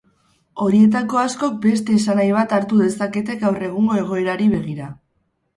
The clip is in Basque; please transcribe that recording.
Horietako askok beste esanahi bat hartu dezakete gaur egungo egoerari begira.